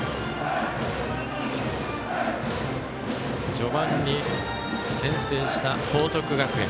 序盤に先制した報徳学園。